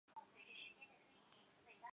之后因病归乡。